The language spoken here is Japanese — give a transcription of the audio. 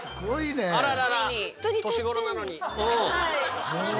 あららら年頃なのに。